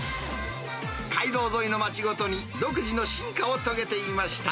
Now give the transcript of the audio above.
街道沿いの町ごとに、独自の進化を遂げていました。